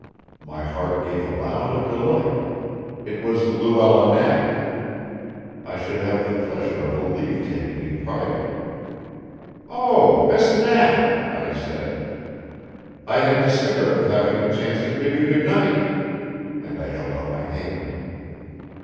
My heart gave a bound of delight. It was Luella Knapp. I should have the pleasure of a leave taking in private. "Oh, Miss Knapp!" I said. "I had despaired of having the chance to bid you good night." And I held out my hand.